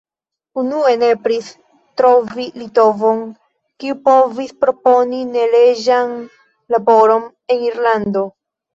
Unue nepris trovi litovon, kiu povis proponi neleĝan laboron en Irlando.